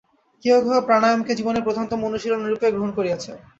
কেহ কেহ প্রাণায়ামকে জীবনের প্রধানতম অনুশীলনরূপে গ্রহণ করিয়াছেন।